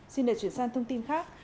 xin để chuyển sang thông tin khác